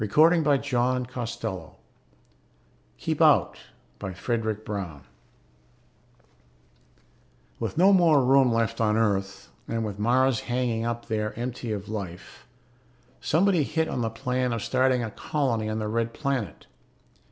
pgdp.net KEEP OUT BY FREDERIC BROWN _With no more room left on Earth, and with Mars hanging up there empty of life, somebody hit on the plan of starting a colony on the Red Planet.